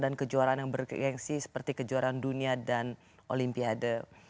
dan kejuaraan yang bergengsi seperti kejuaraan dunia dan olimpiade